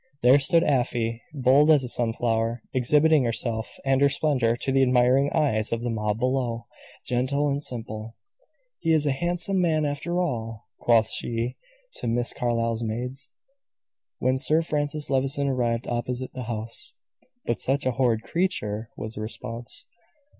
There stood Afy, bold as a sunflower, exhibiting herself and her splendor to the admiring eyes of the mob below, gentle and simple. "He is a handsome man, after all," quoth she to Miss Carlyle's maids, when Sir Francis Levison arrived opposite the house. "But such a horrid creature!" was the response.